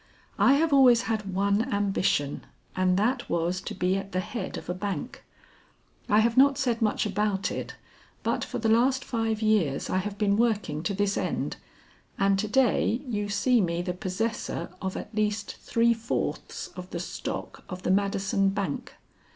I have always had one ambition, and that was to be at the head of a bank. I have not said much about it, but for the last five years I have been working to this end, and to day you see me the possessor of at least three fourths of the stock of the Madison Bank.